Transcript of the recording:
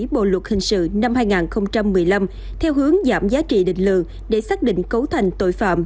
bộ luật hình sự năm hai nghìn một mươi năm theo hướng giảm giá trị định lượng để xác định cấu thành tội phạm